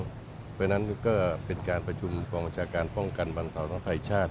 เพราะฉะนั้นก็เป็นการประจุมของอาจารย์การป้องกันบรรสาวทางภัยชาติ